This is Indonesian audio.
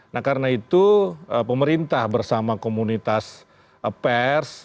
nah karena itu pemerintah bersama komunitas pers